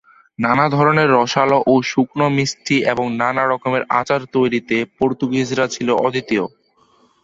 নানা ধরনের রসালো ও শুকনো মিষ্টি এবং নানা রকমের আচার তৈরিতে পর্তুগিজরা ছিল অদ্বিতীয়।